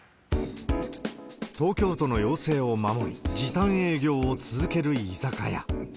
東京都の要請を守る時短営業を続ける居酒屋。